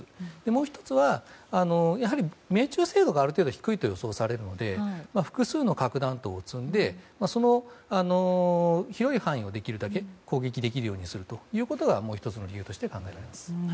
もう１つは命中精度がある程度低いと予想されるので複数の核弾頭を積んで広い範囲をできるだけ攻撃できるようにすることがもう１つの理由として考えられます。